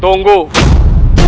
tuhan yang mewarisi